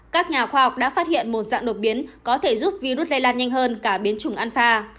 các nhà khoa học đã phát hiện một dạng đột biến có thể giúp virus lây lan nhanh hơn cả biến chủng anfa